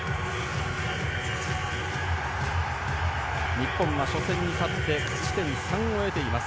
日本は初戦に勝って勝ち点３を得ています。